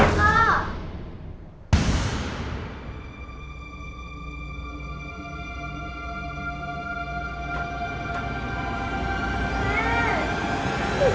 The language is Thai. พี่